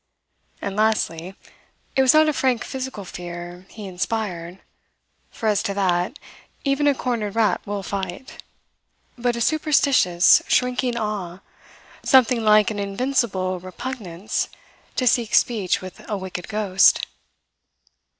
And, lastly, it was not a frank physical fear he inspired for as to that, even a cornered rat will fight but a superstitious shrinking awe, something like an invincible repugnance to seek speech with a wicked ghost.